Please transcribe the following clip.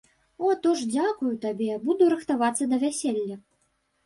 О то ж дзякую табе, буду рыхтавацца да вяселля.